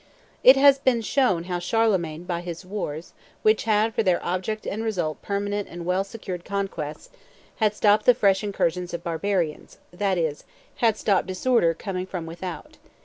It has just been shown how Charlemagne by his wars, which had for their object and result permanent and well secured conquests, had stopped the fresh incursions of barbarians, that is, had stopped disorder coming from without.